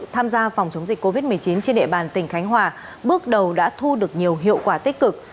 tham gia phòng chống dịch covid một mươi chín trên địa bàn tỉnh khánh hòa bước đầu đã thu được nhiều hiệu quả tích cực